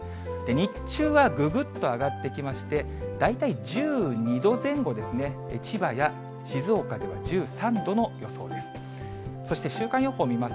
日中はぐぐっと上がってきまして、大体１２度前後ですね、千葉や静岡では１３度の予想です。